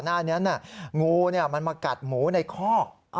เพราะว่าก่อนหน้านั่งูมากัดหมูในคอก